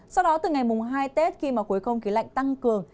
sau đó từ ngày mùng hai tết khi mà cuối không khí lạnh tăng cường